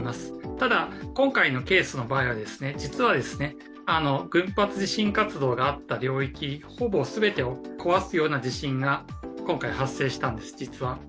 ただ、今回のケースの場合は、実は群発地震活動があった領域ほぼ全てを壊すような地震が今回、発生したんです、実は。